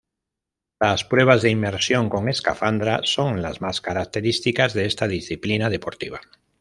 Las pruebas de inmersión con escafandra son las más características de esta disciplina deportiva.